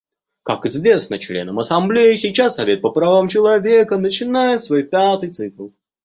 Как известно членам Ассамблеи, сейчас Совет по правам человека начинает свой пятый цикл.